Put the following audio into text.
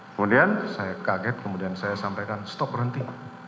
kemudian saya kaget kemudian saya sampaikan stop berhenti